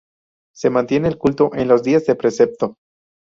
Se mantiene el culto en los días de precepto.